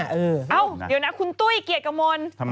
เดี๋ยวนะคุณตุ้ยเกียรติกระมน